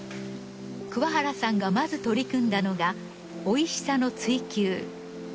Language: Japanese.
桑原さんがまず取り組んだのがおいしさの追求。